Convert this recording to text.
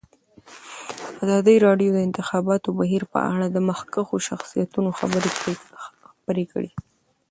ازادي راډیو د د انتخاباتو بهیر په اړه د مخکښو شخصیتونو خبرې خپرې کړي.